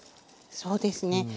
そうですね。